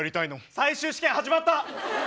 最終試験始まった！